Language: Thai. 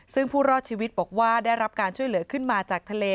ซึ่งผู้รอดชีวิตบอกว่าได้รับการช่วยเหลือขึ้นมาจากทะเล